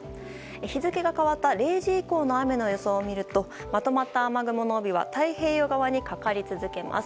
日付が変わった０時以降の雨の予想を見るとまとまった雨雲の帯は太平洋側にかかり続けます。